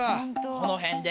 この辺で。